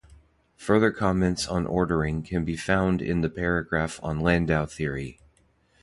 Further comments on ordering can be found in the paragraph on Landau theory.